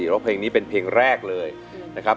แล้วเพลงนี้เป็นเพลงแรกเลยนะครับ